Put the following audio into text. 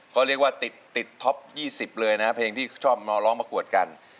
เขาเรียกว่าติดท็อป๒๐เลยนะเพลงที่ชอบมาร้องประกวดกัน